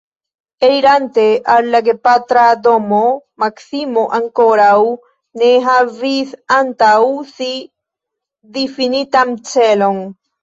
Elirante el la gepatra domo, Maksimo ankoraŭ ne havis antaŭ si difinitan celon.